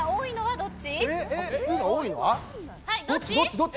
どっち。